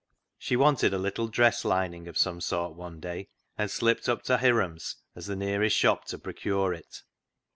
She wanted a little dress lining of some sort one day, and slipped up to Hiram's as the nearest shop to procure it.